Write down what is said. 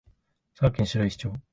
佐賀県白石町